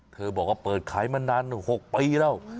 เธอบอกว่าเปิดขายมานาน๖ปีแล้ว